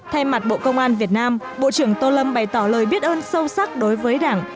thay mặt bộ công an việt nam bộ trưởng tô lâm bày tỏ lời biết ơn sâu sắc đối với đảng